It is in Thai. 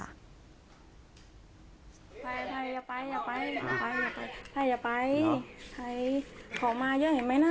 ใครอย่าไปอย่าไปอย่าไปอย่าไปใครอย่าไปใครของมาเยอะเห็นไหมน่ะ